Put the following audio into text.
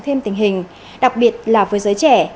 thêm tình hình đặc biệt là với giới trẻ